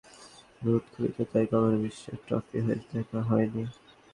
Holland কখনো বিশ্বকাপ জেতেনি, রুড খুলিতের তাই কখনো বিশ্বকাপ ট্রফি ছুঁয়ে দেখা হয়নি।